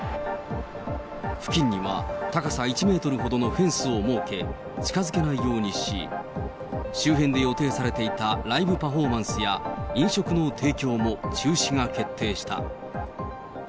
付近には高さ１メートルほどのフェンスを設け、近づけないようにし、周辺で予定されていたライブパフォーマンスや、飲食の提供も中止が決定した。